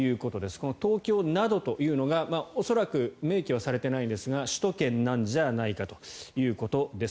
この東京などというのが恐らく明記はされてないですが首都圏なんじゃないかということです。